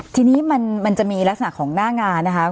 ทีนี้มันจะมีลักษณะของหน้างานนะคะ